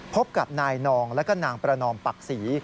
พบกับนายนองแล้วก็นางประนอมปักศรี